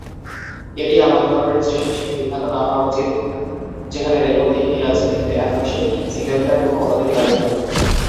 এটি এমন ধরনের স্টেশনের সাথে বিভ্রান্ত না হওয়া উচিত যেখানে রেলপথ একটিই আছে, কিন্তু একপাশে সিঙ্গেল-ট্র্যাক এবং অন্যদিকে ডাবল-ট্র্যাক।